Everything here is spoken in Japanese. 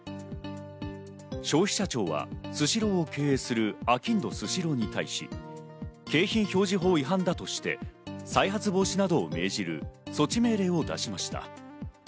消費者庁はスシローを経営する、あきんどスシローに対し、景品表示法違反だとして再発防止などを命じる措置命令を出しました。